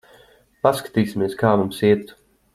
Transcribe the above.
Paskatīsimies, kā mums iet.